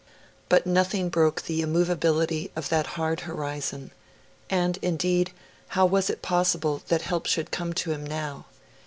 But nothing broke the immovability of that hard horizon; and, indeed, how was it possible that help should come to him now?